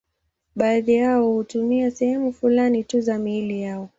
Baadhi yao hutumia sehemu fulani tu za miili yao.